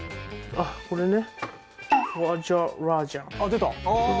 あっこれね！